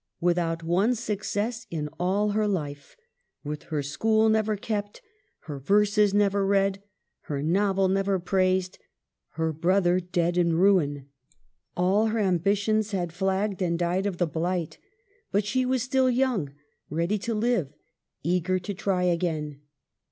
Without one success in all her life, with her school never kept, her verses never read, her novel never praised, her brother dead in ruin. All her am bitions had flagged and died of the blight. But she was still young, ready to live, eager to try again.